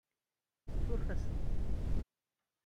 Ssuref-asen.